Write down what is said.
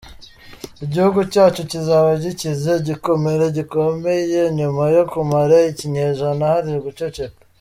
Igihugu cyacu kizaba gikize igikomere gikomeye, nyuma yo kumara ikinyejana hari uguceceka.